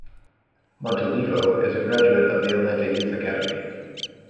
Montolivo is a graduate of the Atalanta youth academy.